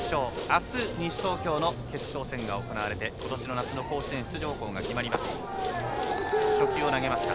あす西東京の決勝戦が行われてことしの夏の甲子園出場校が決まります。